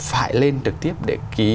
phải lên trực tiếp để ký